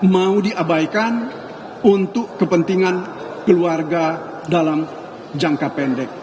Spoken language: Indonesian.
mau diabaikan untuk kepentingan keluarga dalam jangka pendek